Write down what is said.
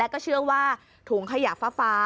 ก็เชื่อว่าถุงขยะฟ้า